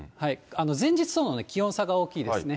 前日との気温差が大きいですね。